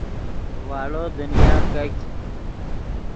واڑو دنیا کیګ